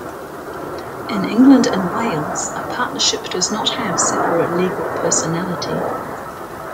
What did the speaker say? In England and Wales, a partnership does not have separate legal personality.